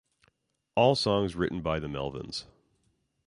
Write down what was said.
All songs written by The Melvins.